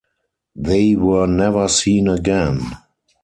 They were never seen again.